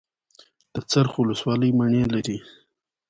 د څرخ ولسوالۍ مڼې لري